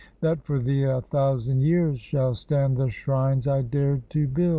That for thee a thousand years shall stand the shrines I dared to build?